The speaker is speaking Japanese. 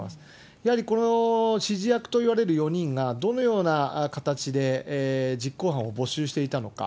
やはりこの指示役といわれる４人がどのような形で実行犯を募集していたのか。